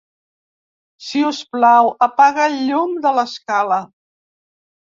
Si us plau, apaga el llum de l'escala.